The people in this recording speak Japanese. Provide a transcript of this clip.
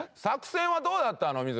作戦はどうだったの？